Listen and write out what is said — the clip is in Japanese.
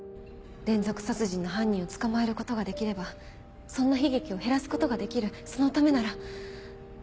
連続殺人の犯人を捕まえることができればそんな悲劇を減らすことができるそのためなら。